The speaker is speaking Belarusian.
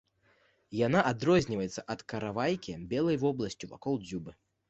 Яна адрозніваецца ад каравайкі белай вобласцю вакол дзюбы.